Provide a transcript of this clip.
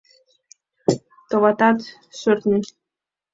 Товатат, шӧртньӧ.